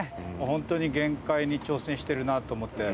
ホントに限界に挑戦してるなと思って。